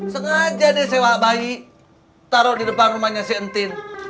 sengaja disewa bayi taruh di depan rumahnya si entin